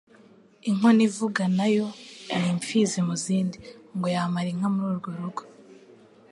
inkono ivuga nayo ni imfizi mu zindi, ngo yamara inka muri urwo rugo